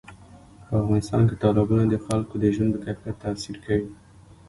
په افغانستان کې تالابونه د خلکو د ژوند په کیفیت تاثیر کوي.